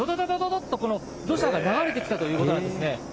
どっと土砂が流れてきたということなんですね。